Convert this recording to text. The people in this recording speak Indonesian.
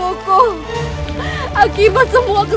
ah bagaimana selamat bekut